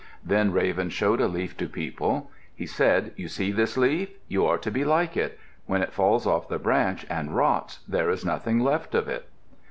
Then Raven showed a leaf to people. He said, "You see this leaf. You are to be like it. When it falls off the branch and rots there is nothing left of it."